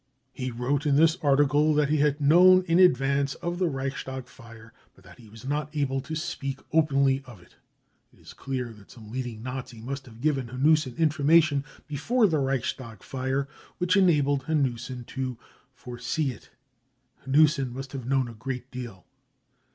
He wrote in this article that he had known in advance of the Reichstag lire, but that he was not able to speak openly of it. It is clear that some leading Nazi must have given Hanussen information before the Reichstag fire, which en #( abled Hanussen to fiC foresee 55 it. Hanussen must have known a great deal.